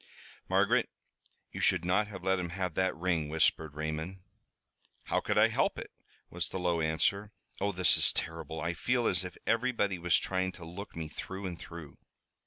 "Margaret, you should not have let him have that ring," whispered Raymond. "How could I help it?" was the low answer. "Oh, this is terrible! I feel as if everybody was trying to look me through and through!"